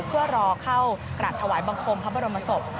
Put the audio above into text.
เพื่อรอเข้ากราบถวายบังคมพระบรมศพ